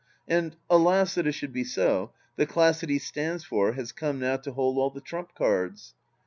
And — ^alas, that it should be so I — the class that he stands for has come now to hold all the trump cards.